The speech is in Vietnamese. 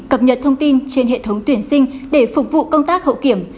cập nhật thông tin trên hệ thống tuyển sinh để phục vụ công tác hậu kiểm